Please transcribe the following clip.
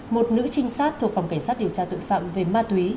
một nữ trinh sát thuộc phòng cảnh sát điều tra tội phạm về ma túy